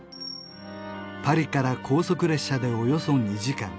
パリから高速列車でおよそ２時間